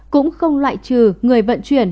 cũng không loại trừ người vận chuyển